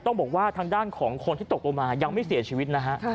ต้องบอกว่าทางด้านของคนที่ตกลงมายังไม่เสียชีวิตนะฮะ